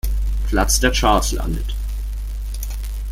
Platz der Charts landet.